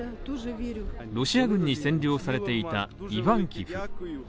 ロシア軍に占領されていたイヴァンキフ。